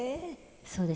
そうです。